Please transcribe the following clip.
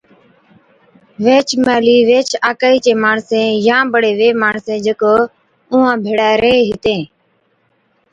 ويھِچ مھلِي ويھِچ آڪھِي چين ماڻسين يا بڙي وي ماڻسين جڪو اُونھان ڀيڙَي ريھين ھِتين